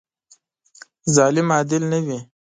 ظالم عادل نه وي.